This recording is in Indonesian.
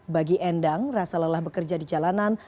bagi endang rasa lelah bekerja di jalanan